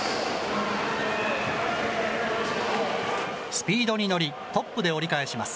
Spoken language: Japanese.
スピードに乗り、トップで折り返します。